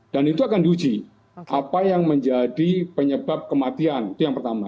dan itu akan diuji apa yang menjadi penyebab kematian itu yang pertama